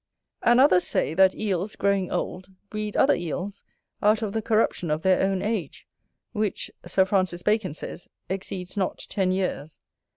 And others say, that Eels, growing old, breed other Eels out of the corruption of their own age; which, Sir Francis Bacon says, exceeds not ten years.